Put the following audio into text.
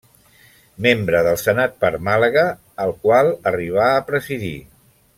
Membre del Senat per Màlaga, el qual arribà a presidir.